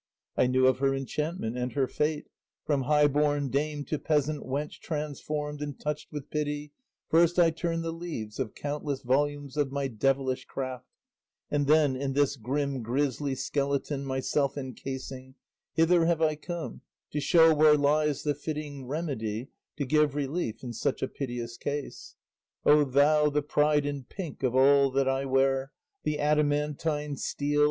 I knew of her enchantment and her fate, From high born dame to peasant wench transformed And touched with pity, first I turned the leaves Of countless volumes of my devilish craft, And then, in this grim grisly skeleton Myself encasing, hither have I come To show where lies the fitting remedy To give relief in such a piteous case. O thou, the pride and pink of all that I wear The adamantine steel!